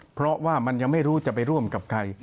เพราะว่ามันยังไม่รู้จะไปร่วมกับใคร